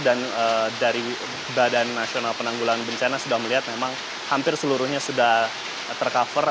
dan dari badan nasional penanggulan bencana sudah melihat memang hampir seluruhnya sudah ter cover